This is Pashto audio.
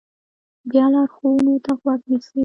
بیا لارښوونو ته غوږ نیسي.